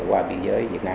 qua biên giới việt nam